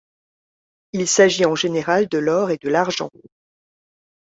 Il s’agit en général de l’or et de l’argent.